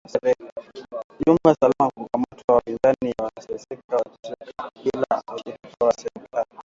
Nyumba salama kuwakamata wapinzani na kuwatesa mateka bila ushirika wa serekali